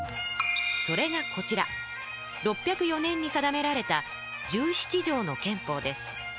それがこちら６０４年に定められた「十七条の憲法」です。